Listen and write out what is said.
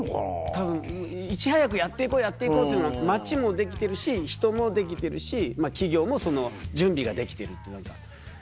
多分いち早くやっていこうやっていこうっていうの街もできてるし人もできてるし企業もその準備ができているっていう何か。